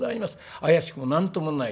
怪しくも何ともない。